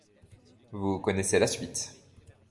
Vous connaissez la suite…